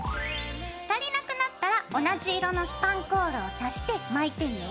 足りなくなったら同じ色のスパンコールを足して巻いてね。